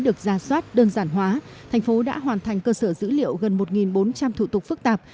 được ra soát đơn giản hóa thành phố đã hoàn thành cơ sở dữ liệu gần một bốn trăm linh thủ tục phức tạp